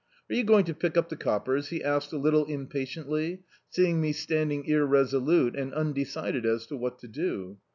"Are you going to pick up the cop pers 1" he asked a little impatiently, seeing me stand ing irresolute and undecided as to what to do.